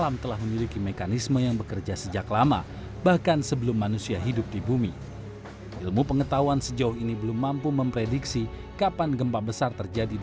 bagaimana menurut anda apa yang akan terjadi